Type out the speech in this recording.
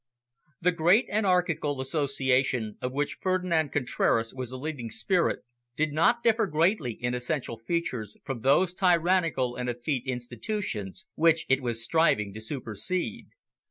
The great anarchical association of which Ferdinand Contraras was the leading spirit did not differ greatly in essential features from those tyrannical and effete institutions which it was striving to supersede.